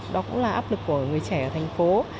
đó cũng là áp lực của người trẻ ở thành phố